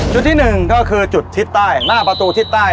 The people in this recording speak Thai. จุดที่๑ก็คือจุดทิศใต้